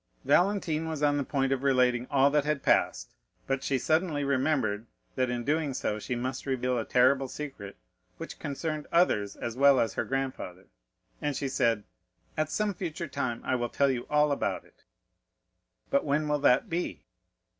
Valentine was on the point of relating all that had passed, but she suddenly remembered that in doing so she must reveal a terrible secret which concerned others as well as her grandfather, and she said: "At some future time I will tell you all about it." "But when will that be?"